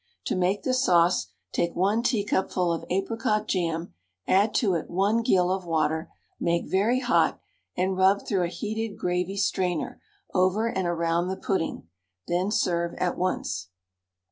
To make the sauce, take 1 teacupful of apricot jam, add to it 1 gill of water, make very hot, and rub through a heated gravy strainer over and around the pudding; then serve at once.